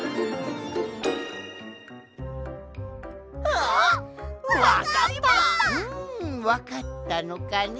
うんわかったのかね？